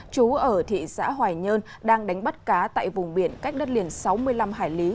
chú ở thị xã hoài nhơn đang đánh bắt cá tại vùng biển cách đất liền sáu mươi năm hải lý